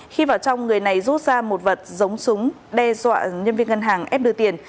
khi vào trong người này rút ra một vật giống súng đe dọa nhân viên ngân hàng ép đưa tiền